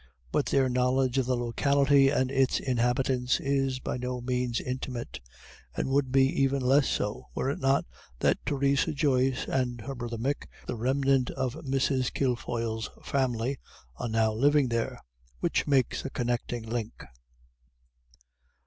But their knowledge of the locality and its inhabitants is by no means intimate, and would be even less so, were it not that Theresa Joyce and her brother Mick, the remnant of Mrs. Kilfoyle's family, are now living there, which makes a connecting link.